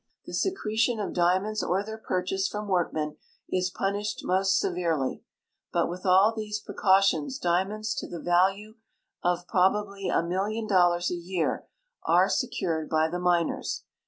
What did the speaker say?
The secretion of diamonds or their purchase from workmen is punished most severely ; but with all these precautions diamonds to the value of probably a million dollars a ,year are secured by the miners.